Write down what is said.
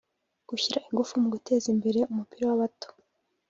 Gushyira ingufu mu guteza imbere umupira w’abato